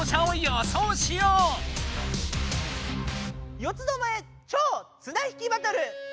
「四つどもえ超・綱引きバトル」！